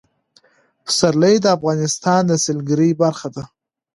پسرلی د افغانستان د سیلګرۍ برخه ده.